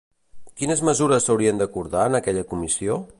Quines mesures s'haurien d'acordar en aquella comissió?